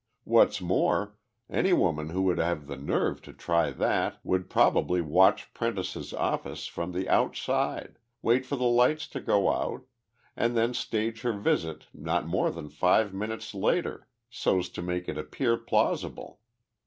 "What's more, any woman who would have the nerve to try that would probably watch Prentice's office from the outside, wait for the light to go out, and then stage her visit not more than five minutes later, so's to make it appear plausible.